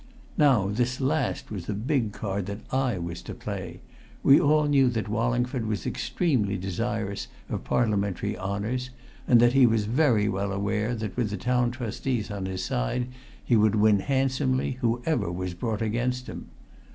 Now, this last was the big card I was to play we all knew that Wallingford was extremely desirous of Parliamentary honours, and that he was very well aware that with the Town Trustees on his side he would win handsomely, whoever was brought against him.